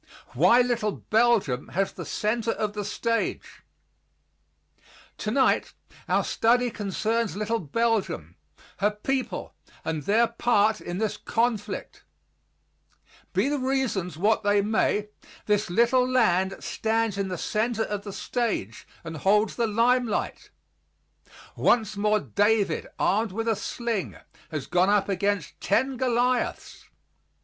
WHY LITTLE BELGIUM HAS THE CENTER OF THE STAGE Tonight our study concerns little Belgium, her people, and their part in this conflict. Be the reasons what they may, this little land stands in the center of the stage and holds the limelight. Once more David, armed with a sling, has gone up against ten Goliaths.